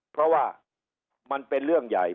เพราะว่ามันเป็นเรื่องใหญ่